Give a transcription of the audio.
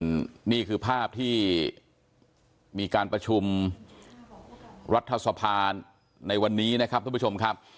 นี่คือภาพที่มีการประชุมรัฐสภาในวันนี้นะครับทุกผู้ชมครับ